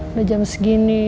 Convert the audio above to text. udah jam segini